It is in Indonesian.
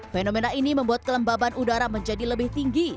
fenomena ini membuat kelembaban udara menjadi lebih tinggi